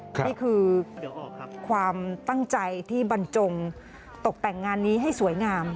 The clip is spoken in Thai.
นี่คือความตั้งใจที่บรรจงตกแต่งงานนี้ให้สวยงาม